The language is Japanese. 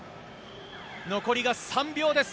残りが３秒です。